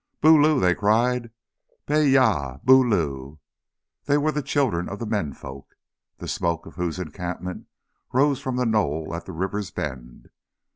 "Boloo!" they cried. "Baayah. Boloo!" They were the children of the men folk, the smoke of whose encampment rose from the knoll at the river's bend.